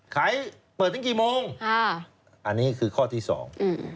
ขายเปิดถึงกี่โมงอันนี้คือข้อที่สอง